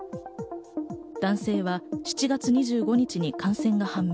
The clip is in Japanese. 男性は７月２５日に感染が判明。